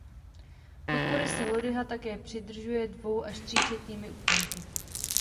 Podpory se lodyha také přidržuje dvou až tříčetnými úponky.